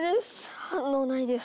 反応ないです。